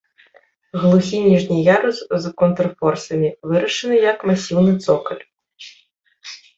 Глухі ніжні ярус з контрфорсамі вырашаны як масіўны цокаль.